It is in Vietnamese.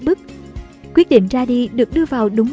bức quyết định ra đi được đưa vào đúng